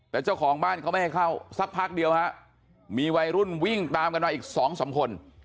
แต่เจ้าของบ้านเขาไม่ให้เข้าสักพักเดียวฮะมีวัยรุ่นวิ่งตามกันมาอีกสองสามคน